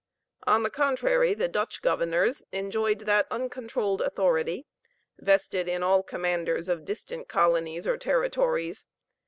On the contrary, the Dutch governors enjoyed that uncontrolled authority, vested in all commanders of distant colonies or territories.